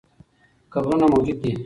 قبرونه موجود دي.